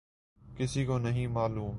کسی کو نہیں معلوم۔